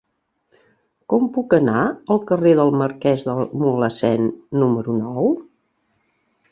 Com puc anar al carrer del Marquès de Mulhacén número nou?